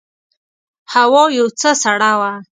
هوا یو څه سړه وه.